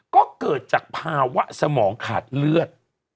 ก็เกิดจากภาวะสมองขาดเลือด